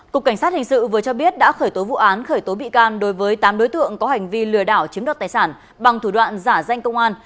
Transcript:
cục cảnh sát hình sự vừa cho biết đã khởi tố vụ án khởi tố bị can đối với tám đối tượng có hành vi lừa đảo chiếm đoạt tài sản bằng thủ đoạn giả danh công an